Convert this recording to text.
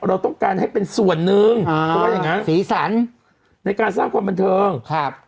เราต้องการให้เป็นส่วนนึงสีสันในการสร้างความบันเทิงครับ